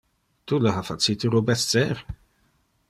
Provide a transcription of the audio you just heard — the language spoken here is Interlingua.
Tu le ha facite rubescer.